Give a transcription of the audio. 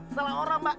salah orang mbak